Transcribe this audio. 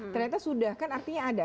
ternyata sudah kan artinya ada